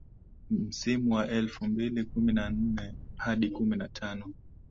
Msimu wa elfu mbili kumi na nne hadi kumi na tano